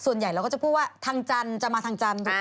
ส่วนใหญ่เราก็จะพูดว่าทางจันทร์จะมาทางจันทร์ถูกค่ะ